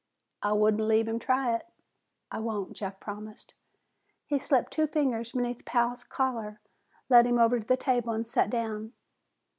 "I wouldn't leave him try it." "I won't," Jeff promised. He slipped two fingers beneath Pal's collar, led him over to the table and sat down.